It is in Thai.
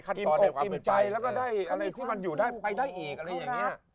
อิ่มอกอิ่มใจแล้วก็ได้อะไรที่มันอยู่ได้ไปได้อีกอะไรอย่างนี้